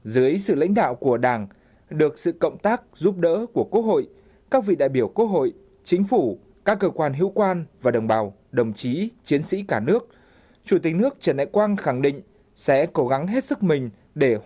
dưới sự lãnh đạo của đảng được sự cộng tác giúp đỡ của quốc hội các vị đại biểu quốc hội chính phủ các cơ quan hữu quan và đồng bào đồng chí chiến sĩ cả nước chủ tịch nước trần đại quang khẳng định sẽ cố gắng hết sức mình để hỗ trợ